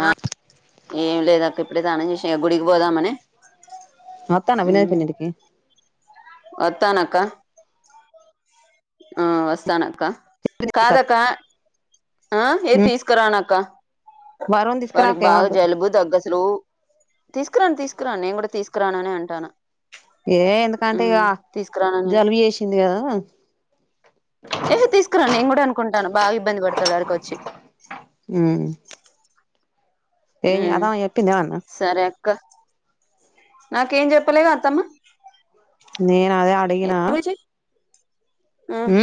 ఆ ఏం లేదక్క ఇప్పుడే తానం చేస్ [unintelligible] గుడికి పోదాం అనే. వత్తాన వినయ్ పిన్నింటికి వత్తానక్క ఆ వస్తానక్క కాదకా ఆ ఏది ఉమ్ తీసుకురానక్క వరుణ్ వానికి తీసుకురాకు బాగా ఏమద్దు జలుబు దగ్గసులు తీసుకురాను తీసుకురాను నేను కూడా తీసుకురాననే అంటానా ఏ ఎందుకంటే ఇగ ఉమ్మ్ తీసుకురాననింట్ జలుబు చేసింది కదా ఏహే తీసుకురాను నేను కూడా అనుకుంటానా బాగా ఇబ్బంది పడు తొలారుకొచ్చి. ఉమ్ ఏం జేతావ్ జెప్పిందేమన్న క్క నాకేం చెప్పలేదు అత్తమ్మ నేను అదే అడగిన ఉమ్మ్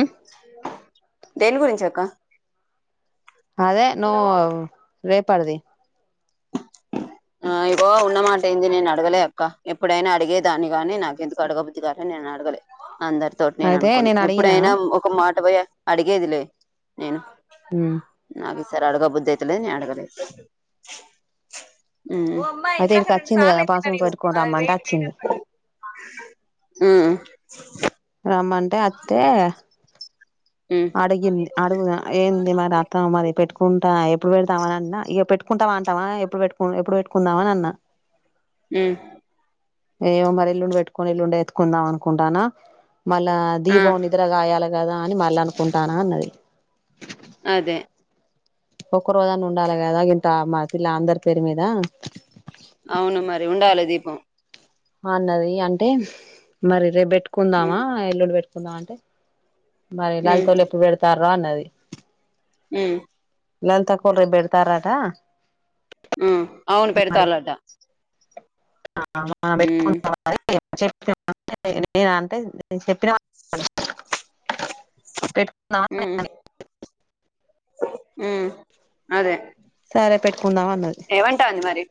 దేని గురించక్క. అదే నువ్ రేప్ పటిది ఆ ఇగో ఉన్నమాట ఏంది నేను అడగలే అక్క ఎప్పుడైనా అడిగేదాన్ని గాని నాకెందుకో అడగబుద్ది కాలే నేను అడగలే. అందరితోటి నేను అయితే అనుకున్న అడిగినా ఎప్పుడైనా ఒక మాట పోయ అడిగేదిలే నేను ఉమ్ నా ఈసారి అడగబుద్ధి అవుతులే నేను అడగలే. [inaudible] ఆమ్ అయితే ఇడికి వచ్చింది కదా పాస్బుక్ పెట్టుకొని రమ్మంటే వచ్చింది ఆమ్. [inaudible] రమ్మంటే అత్తే ఉమ్ అడిగింది అడుగు ఏంది మరి అత్త మరి పెట్టుకు పెట్టుకుంటా ఎప్పుడు పెడతాం అని అన్నా ఇగ పెట్టుకుంటవా అంటనా ఎప్పుడు పెట్టుకు ఎప్పుడు పెట్టుకుందాం అని అన్నా. ఆమ్ ఏమో మరి ఎల్లుండి పెట్టుకొని ఎల్లుండి ఎత్తుకుందాం అనుకుంటానా మళ్ళా ఆ దీపం నిద్రగాయాల కదా అనీ మళ్ళ అ. ఉంటానా అన్నది. అదే ఒక్కరోజన్న ఉండాలి కదా ఇంత మా పిల్ల అందరి పేరు మీద అవును మరి ఉండాలే దీపం అన్నది అంటే మరి రేప్ కుందామా ఉమ్ యెల్లుండి పెట్టుకు కుందమంటే మరి ఉమ్ లలితోళ్ళు ఎప్పుడు పెడతా అన్నది ఉమ్ లలితక్కొల్లు రేపు బేడతారాట ఉమ్ అవును పెడుతాళ్ళట [inaudible] ఉమ్ నేను అంటే చెప్పిన [inaudible] [inaudible] ఉ అదే సరే పెట్టు ఏమంటోంది మరి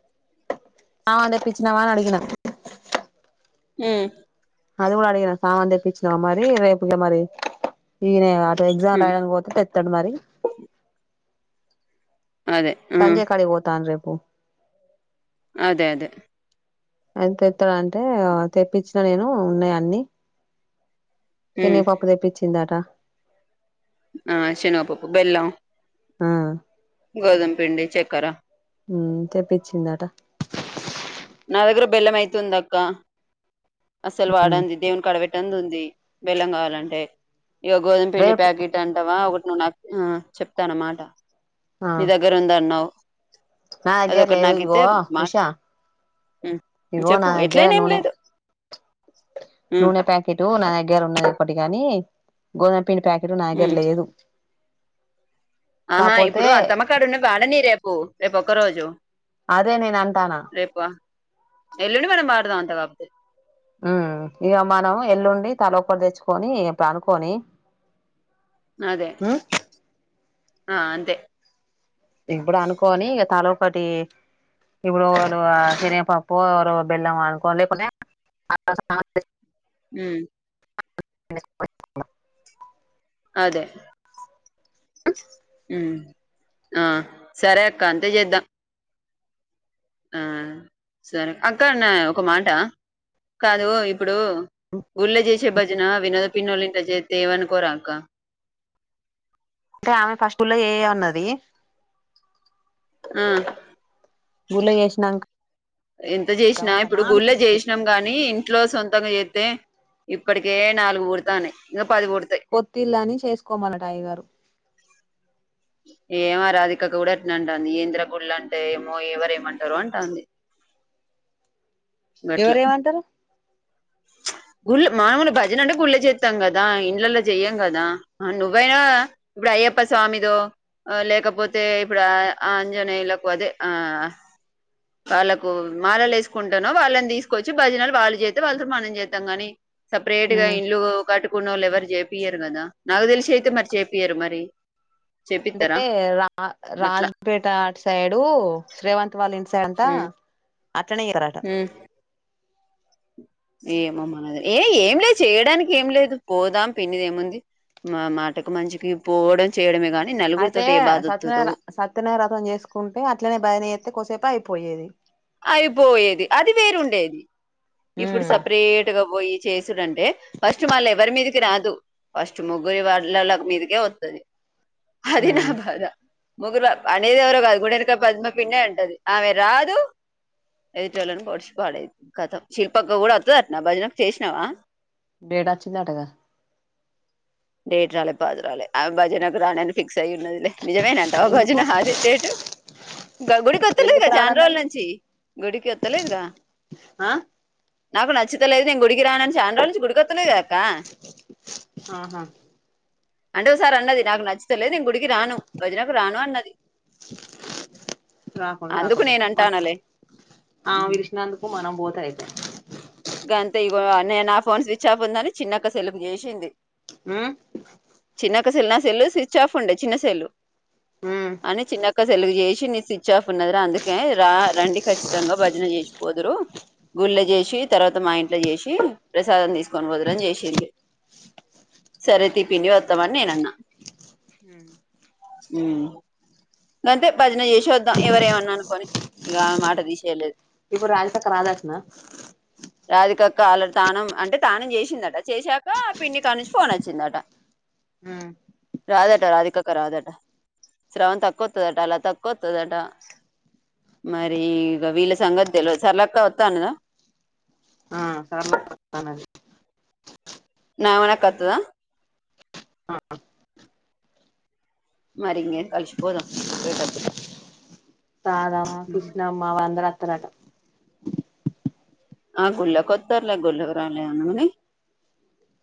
ఆ తెపిచ్చినావ అని ఆడిగిన హ్మ్ అది కూడా అడిగిన సామాన్ తెప్పింనావ మరి రేపు ఇంగ మరి ఈనేగా ఎగ్జామ్ ఉమ్ రాయడానికి పోతే తెతాడు మరి అదే ఆ సంజే కాడి పోతన్రు పో అదే అదే అది తెత్తాల అంటే తెప్పించిన నేను ఉన్నాయి అన్ని ఉమ్ శనగ పప్పు తెపించిందట ఆ శనగ పప్పు బెల్లం ఆ గోధుమ పిండి చక్కెర హ్మ్ తెపించిందట నా దగ్గర బెల్లం అయితె ఉంది అక్క అసలు వాడంది దేవును కాడా పెట్ వందుంది బెల్లం కావాలంటే ఇగ గోధమ్ పిండి రేపు ప్యాకెట్ అంటావా ఒక వునా హ్మ్ చెప్తాను ఓ మాట ఆ నీ దగ్గర ఉందన్నావ్ నా దెగ్గర లేవు ఇగో ఉషా హ్మ్ ఇగో చెప్పు దగ్గర ఎట్లయి నా ఏం నూనె లేదు ఉమ్ నూనె ప్యాకెటు నా దగ్గర ఉన్నది ఒకటి గాని గోధమ్ పిండి ప్యాకెట్ నా దగ్గర ఉమ్ లేదు ఆహా కాపోతే ఇప్పుడు అత్తమ్మ కాడున్న వాడని రేపు రేపు ఒక రోజు అదే నేను అంటానా రేపు ఎల్లుండి మనం వాడదాం అం తబ్ద హ్మ్ ఇగ మనం ఎల్లుండి తలక్కటి తెచ్చుకొని పనుకొని అదే ఆ అంతే ఇప్పుడు అనుకోని ఇగ తలో ఒకటి ఇప్పుడు నువ్వు శనగపప్పు బెల్లం అనుకో లేపోతే [inaudible] హ్మ్ [inaudible] అదే అ జిమ్ ఆ సరే అక్క అంతే చేద్దా ఆ సరే అక్కడ్నే ఒక మాట కాదు ఇప్పుడు ఊళ్ళో చేసే భజన వినోద పిన్నోళ్ళిన్ [inaudible] జేత్తే ఏమనుకోరా అక్క అంటే ఆమె ఫస్టులో ఏ ఏ ఉన్నది ఆ గులగేశనాంక ఎంత జేషినా ఇప్పుడు గుళ్ళ జేషినం గానీ ఇంట్లో సొంతంగా చేత్తే ఇప్పటికే నాలుగు బుడతాన్నాయి గప్ కొత్తిల్లని చేసుకోమల టయ్యగారు ఏమ రాధికక్క గూడా అట్నే అంటాంది ఏంద్ర గుళ్ళంటే ఏమో ఎవరేమంటారొ అంటాంది. గట్లా ఎవరేమంటారు గుళ్ మాములు భజన అంటే గుళ్ళు చేత్తం కదా ఇండ్లలో జెయ్యం గదా ఆ నువ్వైనా, ఇప్పుడు అయ్యప్ప స్వామిదో ఆ లేకపోతే ఇప్పుడు ఆ ఆంజనేయులకు అదే ఆ వాళ్ళకు మాలలు వేసుకుంటేనో వాళ్ళని తీసుకొచ్చి భజనలు వాళ్ళు చేత్తే వాళ్ళతో మనం చేత్. తంగాని సప్రేట్ గా ఉమ్ ఇల్లు కటు కున్నోళ్ళు ఎవరు చేపియరు గదా నాకు తెలిషి అయితే మరి చేపియరు మరి చేపిత్తరా అంటే రా గట్లా రాజ్ పేట అటు సైడు శ్రేవంత్ వాళింట్ చంత మ్మ్ అట్లనే ఇవరట మ్మ్ ఏమో మనదే ఏ ఏం లేదు చేయడానికేంలేదు పోదాం పిన్నిదేముంది మా మాటకు మంచికి పోవడం చేయడమే గాని అయితే నలుగురితోటి ఏ బాధ సత్యనాయ వత్తదో సత్యనారయ రథం చేసుకుంటే అట్లనే భయనేత్తే కొసేపు అయిపోయేది అయిపోయేది అది వేరుండేది ఇప్పుడు ఉమ్ సెపరేట్‌గా బొయి చేసుడంటే ఫస్ట్ మళ్ళెవరి మీదికి రాదు ఫస్ట్ ముగ్గురి వాడ్లల మీదకే వత్తది అధి నా ఉమ్ బాధ ముగ్గురు అనేది ఎవరో గాదు గుడెనక పద్మ పిన్నే అంటది ఆమె రాదు ఎదుటోళ్ళని పొడిచి పాడై కథమ్ శిల్పక్క కూడా వత్తది అట్న భజనకు చేష్నావా డేట్ వచ్చిందటగా డేట్ రాలే పాదు రాలే ఆమె భజనకు రానని ఫిక్ సై ఉన్నదిలే నిజమేనంటావా ఎందుకు భజన అది డేట్ ఇంకా గుడికొత్తలేదుగా ఎందుకు చాన్రోజులు రానన్నది నుంచి గుడికి వత్తలేదుగా ఆ నాకు నచ్చితే లేదు నేను గుడికి రానని చాన్ రోల్ గుడికొత్తలేదు గదక్కా ఆహా అంటే ఒసారి అన్నది నాకు నచ్చితేలేదు నేను గుడికి రాను భజనకు రాను అన్నది రాకుండ అందుకు రాకపే నేను అ అంటానలే ఆమ పిల్షినందుకు మనం బోద్ కైత్ గంతే ఇగో నే నా ఫోన్ స్విచ్ ఆఫ్ ఉందని చిన్నక్క సెల్లుకు జేషింది ఉమ్మ్. నా యొక్క సెల్లు, నా సెల్లు స్విచ్ ఆఫ్ ఉండే, చిన్న సెల్లు. ఉమ్. క్క సెల్లు చేసి ని స్విచ్ ఆఫ్ ఉన్నది రా అందుకే రా రండి ఖచ్చితంగా భజన చేసిపోదురు గుళ్ళ చేసి. తర్వాత మా ఇంట్లో చేసి ప్రసాదం తీసుకొని పోదురు అని చేసింది. సరే టిఫిన్కి వత్తం అని నేను అన్నా ఉమ్ అంతే భజన చేసి వద్దాం ఎవరేమన్నా అనుకొని ఇగా మాట తీసేయలేదు. ఇప్పుడు రాధిక అక్క రాదంటన. రాధికక్క వాళ్ళ తానం అంటే తానం చేసిందట చేశాక పిన్ని కాడ నుంచి ఫోన్ వచ్చిందట ఉమ్ రాదట రాధికక్క రాదట శ్రావంతి అక్క వత్తదంట లత అక్క వత్తదంట మరి ఇక వీళ్ళా సంగతి తెల్వదు సరళక్క వత్తా అన్నదా. ఆహ్ సరళ అక్క వస్తన్నది. నా వెనక వత్తదా. మరి ఇంగేం కలిసిపోదాం పోయేటప్పుడు. రాధా కృష్ణమ్మా వాళ్లందరా. వత్తరంటా. ఆహ్ గుళ్లోకి వత్తారులే గుళ్లోకి రాలేను అని కానీ.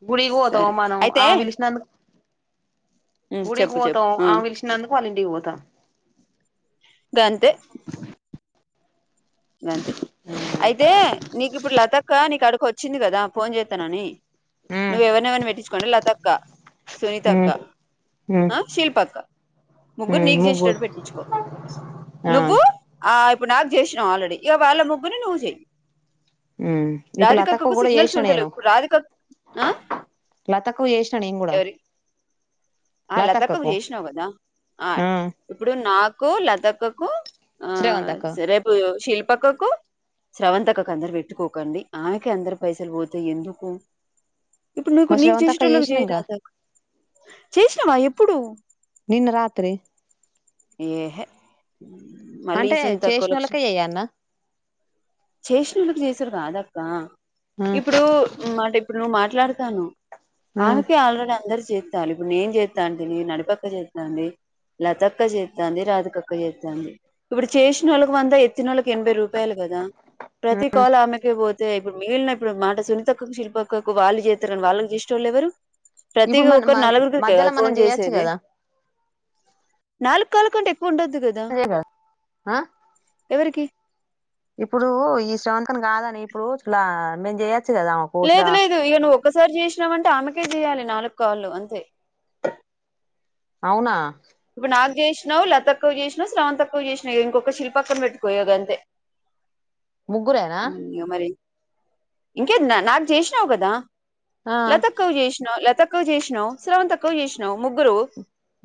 గుడికి పోతాం మనం ఆమె పిలిచినందుకు గుడికి చెప్పు పోతాం. చెప్పు ఆమె పిలిచినందుకు వాళ్ల ఇంటికి పోతాం. గంతే అయితే నీకు ఇప్పుడు లాక్. అక్క నీ కాడికి వచ్చింది కదా ఫోన్ చేస్తానని. ఉమ్ నువ్వు ఎవర్ని ఎవర్ని పెట్టించుకోండి లాక్. లతాక్క. సునీత అక్క ఉమ్ ఉమ్ ఆహ్ శిల్ప అక్క ముగ్గురు ఉమ్ నీకు ముగ్గురు చేసేటట్టు పెట్టించుకో ఆ ఆహ్. నాకు జేసి. ఆహ్ ఆల్రెడీ ఇక వాళ్ల ముగ్గరిని నువ్వు చేయ్. ఉమ్ ఇప్పుడు లతక్క రాధికక్కకు కూడా సిగ్నల్స్ ఉంటలేవు ఇప్పుడు రాధిక. ఆహ్ లతకు చేసిన నేను కూడా. ఆహ్ లతక్కకు చేసినావు కదా ఆహ్ ఆ ఇప్పుడు నాకు లతక్కకు ఆహ్ శ్రవంతక్క సరే రేపు శిల్ప. పక్కకు శ్రవంతి అక్కకు అందరు పెట్టుకోకండి ఆమెకి అందరు పైసలు పోతాయి ఎందుకు. ఇప్పుడు నీకు మా నీకు శ్రవంతక్క చేసేటోళ్ళకి చేసినంగా చేయరాదాక్క. ఎమా ఎప్పుడు. నిన్న రాత్రి. ఏహ్. మళ్ళీ అంటే ఈసోంటి తక్కువ లో వచ్చింది చేసినోళ్ళకే చెయ్యన్న చేసిన వాళ్ళకి చేస్ సరిగాదక్కా. ఆ ఇప్పుడు మాట ఇప్పుడు నువ్వు మాట. మాట్లాడతాను. ఆ ఆమెకి ఆల్రెడీ అందరి. చేస్తాలి ఇప్పుడు నేను చేస్తా అంటిని నడిపక్క చేస్తాంది లతక్ అక్క చేద్దంది రాధకాక్క చేద్దాంది ఇప్పుడు చేసిన వాళ్ళకు వంద ఎక్. త్తినోలకి ఎనభై రూపాయలు కదా ప్రతి కాల్ ఆమెకే పో తే ఇప్పుడు మిగిలిన ఇప్పుడు మాట సునితక్కకు శిల్పక్కకు వాళ్ళు చేత్తరని వాళ్ళకి జేషెటోళ్ళు ఎవరు ప్రతి ఇప్పుడు మన మ ఒకరు నలుగురికి కదా మధ్యలో మనం ఫోన్ చేయొచ్చు చేసేది కదా నాలుగ్ కాల్లు కంటే ఎ అదేగా ఆ ఎవరికి ఇప్పుడు ఈ శ్రవంతం కాదని ఇప్పుడు ఇట్లా మేం జేయ లేదు లేదు ఇగ నువ్వు ఒక్కసారి చేసినావంటే ఆమెకే చేయాలి నాలుకాల్లు అంతే అవునా ఇప్పుడు నాకు జేసినావు లతక్కకు జేసినావ్ శ్రవంతక్క కు చేసినేవి ఇంకొక్క శిల్ప అక్కకు పెట్టుకో ఇయగంతే. ముగ్గురేనా ఇంకేంది నాక్ నాకు జేసినావు కదా ఆ లతక్కకు చేష్ నో లతక్కకు చేసినవ్ శ్రవంతక్క కు చేసినావు ముగ్గురు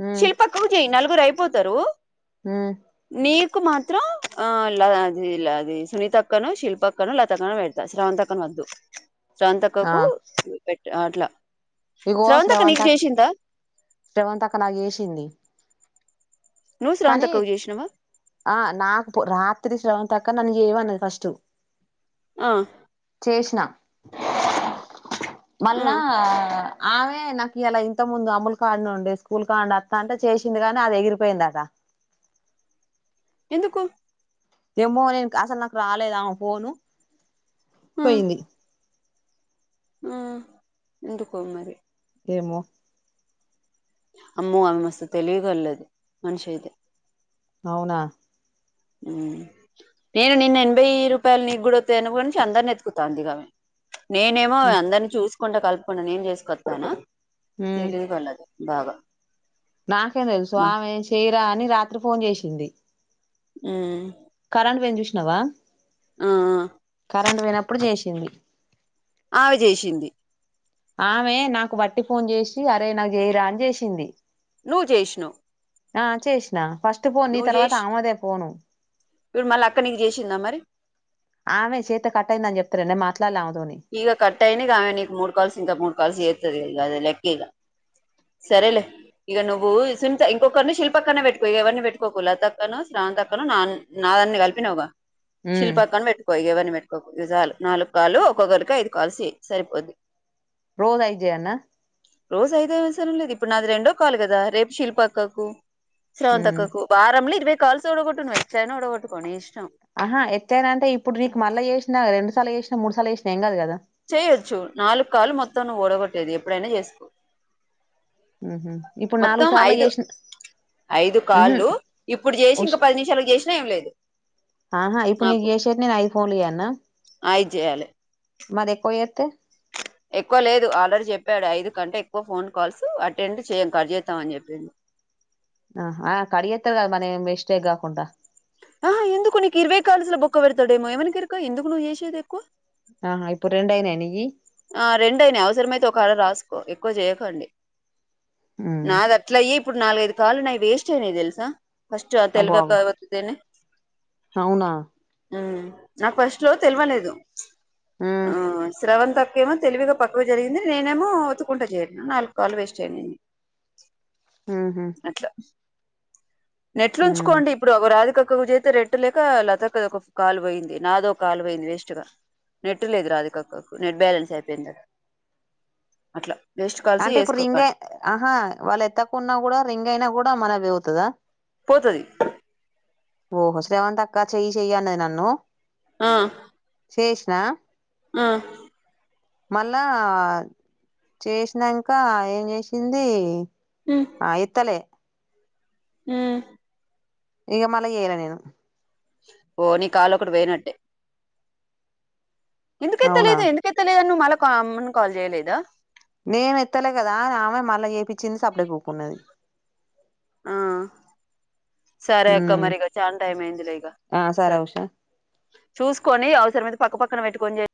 మ్మ్ ఎ నలుగురు అయిపోతారు మ్మ్ కు మాత్రం ఆ లది లది సునీత అక్కను, శిల్ప అక్కను, లతక్కన పెడతా, శ్రవంతి అక్కను వద్దు. ఆ శ్రవంతక్కకు ఆట్లా ఇగో శ్రవంతక్ శ్రవంతక్క నాగ్ చేసింది నువ్వు కానీ స్రవంతక్కకు చేసినావా ఆ నాకు రాత్రి శ్రవం పక్క నన్ ఏవన్నది ఫస్టు ఆ వేషినా ఆ మళ్ళా ఆమె నాకు ఇయాలా ఇంతకముందు అములు కాడునే ఉండే స్కూల్ కాండి అత్త అంటే చేసింది గాని అది ఎగిరిపోయిందట. ఎందుకు ఎమో నేన్ అసలు నాకు రాలేదు ఆమె ఫోను ఆ పొయింది ఆ ఎందుకో మరి ఏమో అమ్మో ఆమె మస్తు తెలివిగల్లది మనిషి ఐతే అవునా నేను నిన్న ఎనభై రూపాయల్ నీగ్గూడ తేనుగుంచి అందర్ని వెతుకుతంది గామె నేనేమో అందరిని చూస్ కుండా కలుపకుండా నేన్ చేస్కొత్తాను. తెలివిగలది. బాగ నాకేమ్ తెల్స్ స్వామి చే కా అని రాత్రి ఫోన్ చేసింది. మ్మ్ కఎంట్ పోయింది చూషినావ! ఆ కరెంట్ పోయినప్పుడు చేష్ ఏంది ఆమె చేసింది. ఆమె నాకు బట్టి ఫోన్ చేసి అరే నాకు చేయ్రా అని చేసింది. నువ్వు జేసినవ్ ఆ చేసిన ఫస్ట్ ఫోన్ నీ తర్వాత ఆమెదే ఫోను ఇవు మళ్ళ అక్క నీకు చేసిందా మరి? ఆమె చేత్తే కట్ అయిందని చెప్తలేద నేన్ మాట్ ఇగ కట్టయనిగా నీకి మూడు కాల్స్ ఇంకా మూడు కాల్స్ చేత్తది. ఇగ అది లెక్కే ఇగ. సరేలే ఇగ నువ్వు సించ ఇంకొకరిని శిల్పక్కని పెట్టుకో ఇగ ఎవరిని పెట్టుకోకు లతక్కను, శాంతక్కను, నాన్ నాన్నీ కలిపినవ్గా ఉమ్ శిల్పక్కని బెట్టుకో ఇగ ఎవరిని బెట్ అక్కకు నిజాలు నాలుక్కాలు క్కొగరికి ఐదు కాల్స్ చై సరిపోద్ది. రోజు ఐద్ చేయాల్నా రోజు ఐదేం అవసరం లేదు ఇప్పుడు నాది రెండో కాల్ కదా, రేపు శిల్ప అక్కకు ఉమ్ శ్రవంతక్కకు వారమ్లో ఇదిబె కాల్స్ కూడా కొట్టు నువ్వెట్లాయిన ఊడగొట్టుకో నీ ఇష్టం. ఆహా ఎత్తాన అంటే ఇప్పుడు నీక్ మళ్ళ చేసినా, రెండుసార్లు చేసినా, మూడుసార్లు చేసినా ఏం కాదు కదా! చేయొచ్చు నాలుగు కాళ్లు మొత్తం నువ్వు ఊడగొట్టేది ఎప్పుడైనా చేసుకో ఉహు ఇప్పుడు నాలుగు మొత్తం సార్లు ఐదు, చేసిన ఐదు ఉహు కాళ్ళు ఇప్పుడు చేసి ఉష్ ఇంకా పది నిమిషాల చేసినా ఏం లేదు. ఆహా ఇప్పుడు నీకు నాకు చేసేటి నేను ఐదు ఫోన్లు అఐదు చెయాలె. మరెక్కువ చేత్తే ఎక్కువ లేదు ఆల్రడీ చెప్పాడు ఐదు కంటే ఎక్కువ ఫోన్ కాల్స్ అటెండ్ చేయక్ కట్ చెత్తం అని చెప్పిండు. ఆహ ఆ కడిగెత్తరు గద మన ఏం మిస్టేగ్గాకుండా? ఆ హ ఎందుకు నీకు ఇరవై కాలుసులో బొక్క పెడతాడేమో, ఎవనికెరుక ఎందుకు నువ్వు చేసేది ఎక్కువ ఆహ ఇప్పుడు రెండయినాయ నీయి ఆ రెండయినా అవసరమైతే ఒక ఆడ రాసుకో ఎక్కువ చేయకండి. ఉమ్ నాదట్లయి ఇ ఇప్పుడు నాలుగైదు కాల్లు నాయి వేస్ట్ అయినాయి తెలుసా! ఫస్ట్ అబ్బో అబ్బో తెల్వక ఒత్తితేనే అవునా మ్మ్ నాకు ఫస్ట్ లో తెలివలేదు ఉమ్ ఆ శ్రవంత కేమో తెలివిగా పక్కవ జరిగింది నేనేమో ఒత్తుకుంటా చేయను నాలుగు కాలు వేస్ట్ అయింది ఆహ నెట్లు ఉంచుకోండి ఇప్పుడు ఒక రాధికక ఒక్క చేతి రెట్ లేక లత క కాలు పోయింది నాదో ఒక కాలు పోయింది వేస్ట్ గా నెట్ లేదు రాదికక్క నెట్ బ్యాలెన్స్ అయిపోయింది అట్లా వేస్ట్ కాల్స్ అంటే ఇప్పుడు రింగ్ చేసుకోకండి ఆహా వాళ్ళు ఎత్తకున్నా కూడా రింగ్ అయినా కూడా మన దా పోతుది ఓహో శ్రవం తక్క చెయ చెయ్య అన్నది అన్ను ఆ శేష్నా ఆ మళ్ళా చేసినాక ఏం చేసింది ఆయిత్తలే ఆ ఇక మళ్ళ చేయాల నేను ఓ నీ కాళ ఒకటి వేయినట్టే ఎంతకెంతలే అవునా ఇదు ఎంతక ఎంతలిలేదన్న మళ్ళ అమ్మని కాల్ చేయలేదా నేను ఎత్తలే కదా ఆమె మళ్ళా చేపిచ్చింది సప్పుడే కూకున్నది ఆ సరే అక్క ఉమ్ మరిక చాలా టైం అయింది లేక ఇగ ఆ సరే ఉషా చూసుకొనిఅవసరమైతే పక్క పక్కన పెట్టుకుని